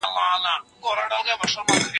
په قسمت کي یې تغییر نه وي لیکلی